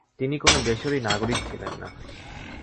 তিনি কোন দেশেরই নাগরিক ছিলেন না।